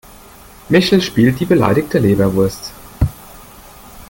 Michel spielt die beleidigte Leberwurst.